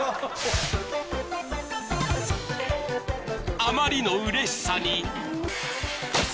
［あまりのうれしさに］